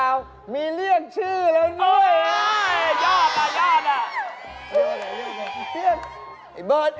ไอ้เบิร์ดไอ้เบิร์ด